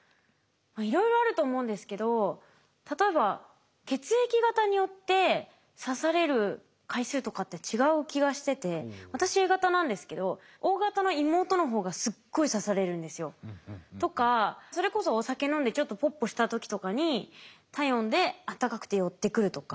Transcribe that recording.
いろいろあると思うんですけど例えば血液型によって刺される回数とかって違う気がしてて私Ａ型なんですけどＯ型の妹の方がすっごい刺されるんですよ。とかそれこそお酒飲んでちょっとポッポした時とかに体温であったかくて寄ってくるとか。